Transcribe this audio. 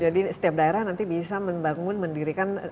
jadi setiap daerah nanti bisa membangun mendirikan